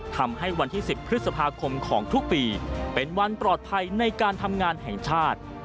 ทำให้วันที่๑๐พฤษภาคมของทุกปีเป็นวันปลอดภัยในการทำงานแห่งชาติ